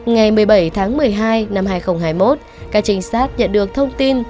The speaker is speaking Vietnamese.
ngày một mươi bảy tháng một mươi hai năm hai nghìn hai mươi một các trinh sát nhận được thông tin